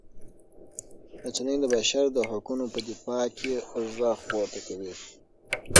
رسنۍ د بشر د حقونو په دفاع کې غږ پورته کوي.